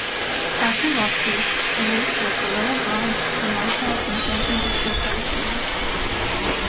After law school, he worked for Farella Braun and Martel in San Francisco, California.